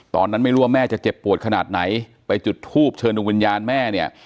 ตอนนั้นไม่รู้ว่าแม่จะเจ็บปวดขนาดไหนไปจุดทูบเชิญดูวิญญาณแม่เนี่ย